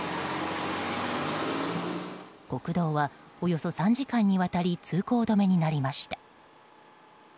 国道は、およそ３時間にわたり通行止めになりました。